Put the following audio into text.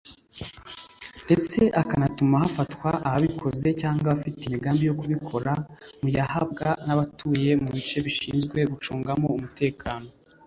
ndetse akanatuma hafatwa ababikoze cyangwa abafite imigambi yo kubikora; muyahabwa n’abatuye mu bice mushinzwe gucungamo umutekano